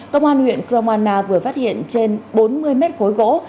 công an huyện cromana vừa phát hiện trên bốn mươi m khối gỗ